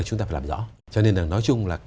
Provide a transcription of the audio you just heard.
chúng ta phải làm rõ cho nên là nói chung là